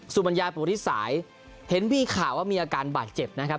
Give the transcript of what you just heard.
บรรยาปูริสายเห็นมีข่าวว่ามีอาการบาดเจ็บนะครับ